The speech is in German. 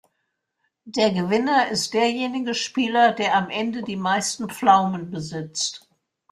Der Gewinner ist derjenige Spieler, der am Ende die meisten Pflaumen besitzt.